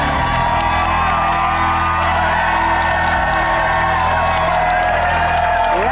สวัสดีครับ